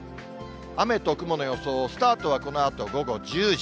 雨と雲の予想を、スタートはこのあと午後１０時。